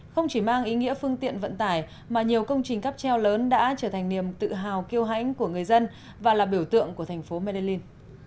không chỉ mang ý nghĩa phương tiện vận tải mà nhiều công trình cắp treo lớn đã trở thành niềm tự hào kêu hãnh của người dân và là biểu tượng của thành phố melin